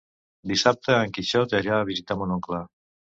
Dissabte en Quixot irà a visitar mon oncle.